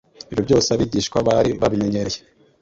ibyo byose abigishwa bari babimenyereye.